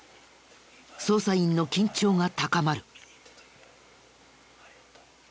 捜査員の緊張が高まる。